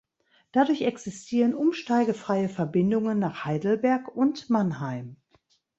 Dadurch existieren umsteigefreie Verbindungen nach Heidelberg und Mannheim.